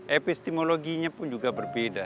epistemologinya pun juga berbeda